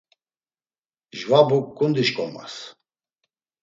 Mjvabuk ǩundi şkomas.